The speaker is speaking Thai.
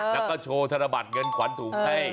แล้วก็โชว์ธนบัตรเงินขวัญถุงให้